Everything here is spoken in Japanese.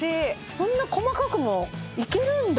こんな細かくもいけるんだ？